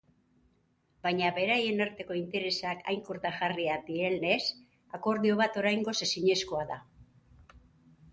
Baina beraien arteko interesak hain kontrajarriak direnez, akordio bat oraingoz ezinezkoa dela.